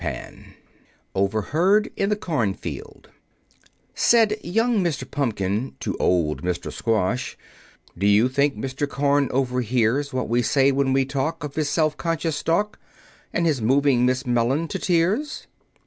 [Illustration: The Sailor Bold] OVERHEARD IN THE CORN FIELD Said young Mr. Pumpkin, To old Mr. Squash, "Do you think Mr. Corn overhears What we say when we talk Of his self conscious stalk, And his moving Miss Melon to tears?"